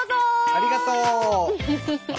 ありがとう！